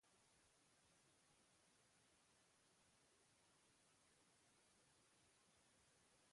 Halaber, eraikina desinfektatu egingo dute berriro, pertsona gehiago ez kutsatzeko.